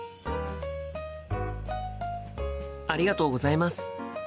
ありがとうございます。